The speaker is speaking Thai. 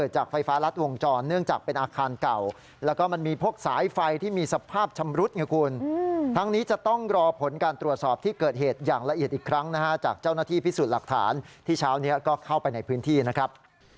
จากเจ้าหน้าที่พิสูจน์หลักฐานที่เช้านี้ก็เข้าไปในพื้นที่นะครับ